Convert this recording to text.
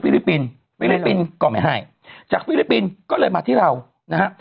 ฟิลิปินฟิลิปินก็ไม่ให้จากฟิลิปินก็เลยมาที่เรานะฮะ